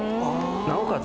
なおかつ